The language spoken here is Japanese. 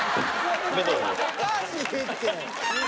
おかしいって！